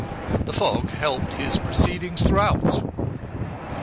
The fog helped his proceedings throughout."